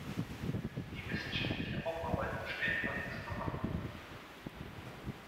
Die wissenschaftliche Aufarbeitung steht allerdings noch am Anfang.